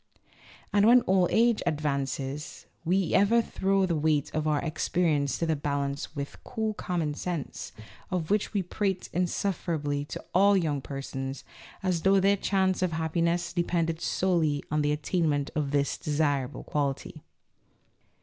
And when old age advances, we ever throw the weight of our experience into the balance with " cool 77 78 A LITTLE STUDY IN COMMON SENSE. common sense," of which we prate insufferably to all young persons, as though their chance of happiness depended solely on the attainment of this one desirable quality.